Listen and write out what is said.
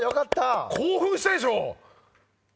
興奮したでしょ？